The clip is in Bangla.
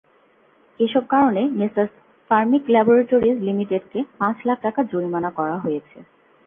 এসব কারণে মেসার্স ফার্মিক ল্যাবরেটরিজ লিমিটেডকে পাঁচ লাখ টাকা জরিমানা করা হয়েছে।